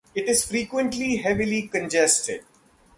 It is frequently heavily congested.